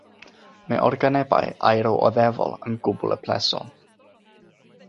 Mae organebau aero-oddefol yn gwbl eplesol.